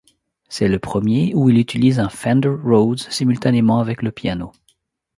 C'est le premier où il utilise un Fender Rhodes simultanément avec le piano.